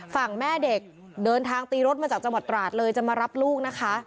แม่เด็กเดินทางตีรถมาจากจังหวัดตราดเลยจะมารับลูกนะคะ